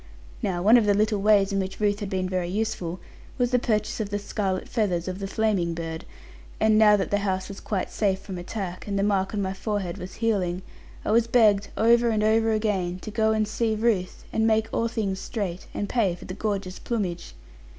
Now one of the little ways in which Ruth had been very useful, was the purchase of the scarlet feathers of the flaming bird; and now that the house was quite safe from attack, and the mark on my forehead was healing, I was begged, over and over again, to go and see Ruth, and make all things straight, and pay for the gorgeous plumage.